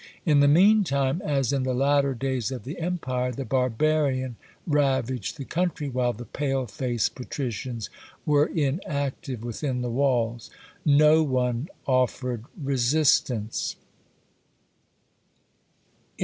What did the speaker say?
In the meantime, as in the latter days of the Empire, the barbarian ravaged the country, while the pale faced patricians were inactive within the walls. No one offered resistance.